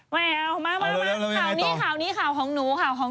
ไว้เอ้ามากข่านี้ข่าวของหนู